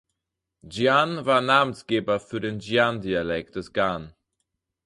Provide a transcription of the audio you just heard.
Ji’an war Namensgeber für den "Ji’an-Dialekt" des Gan.